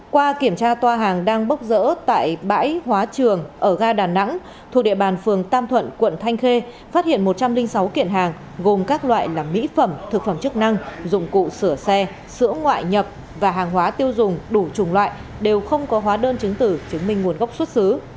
qua kiểm tra toa hàng đang bốc rỡ tại bãi hóa trường ở ga đà nẵng thuộc địa bàn phường tam thuận quận thanh khê phát hiện một trăm linh sáu kiện hàng gồm các loại là mỹ phẩm thực phẩm chức năng dụng cụ sửa xe sữa ngoại nhập và hàng hóa tiêu dùng đủ chủng loại đều không có hóa đơn chứng tử chứng minh nguồn gốc xuất xứ